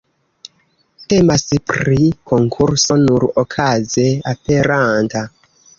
Temas pri konkurso nur okaze aperanta.